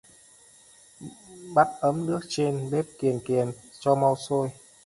Bắt ấm nước trên bếp kiền kiền cho mau sôi